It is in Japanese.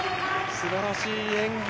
すばらしい演技。